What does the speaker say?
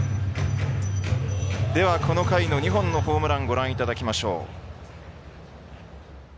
ではこの回の２本のホームランをご覧いただきましょう。